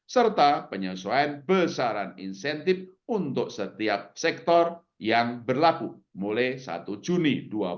serta penyesuaian besaran insentif untuk setiap sektor yang berlaku mulai satu juni dua ribu dua puluh